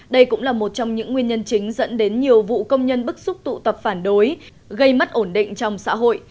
đây cũng là một trong những nguyên nhân chính dẫn đến nhiều vụ công nhân bức xúc tụ tập phản đối gây mất ổn định trong xã hội